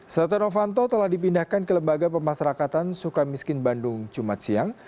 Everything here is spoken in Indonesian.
setia novanto telah dipindahkan ke lembaga pemasarakatan suka miskin bandung jumat siang